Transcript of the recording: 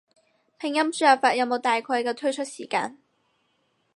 拼音輸入法有冇大概嘅推出時間？